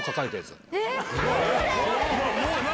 すごいな。